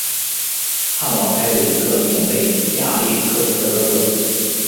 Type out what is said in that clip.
翰劳还有一个名为亚历克斯的哥哥。